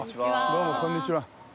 どうもこんにちは。